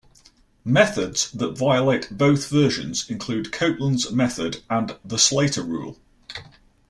Methods that violate both versions include Copeland's method and the Slater rule.